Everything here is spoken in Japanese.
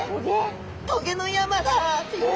棘の山だ！という。